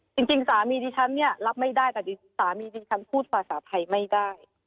จริงสามีที่ฉันรับไม่ได้แต่ที่สามีที่ฉันพูดภาษาไทยไม่ได้